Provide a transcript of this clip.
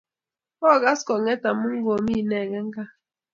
kokas kong'at amuu komii inegei gaa